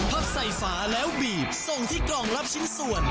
ใส่ฝาแล้วบีบส่งที่กล่องรับชิ้นส่วน